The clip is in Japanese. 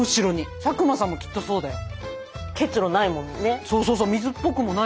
佐久間さんもきっとそうだよ。